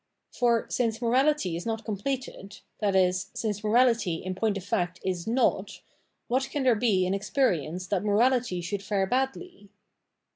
For, since morality is not completed, i.e. since morality in point of fact is not, what can there be in experience that morality should fare badly